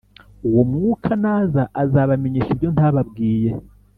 uwo mwuka naza azabamenyesha ibyo ntababwiye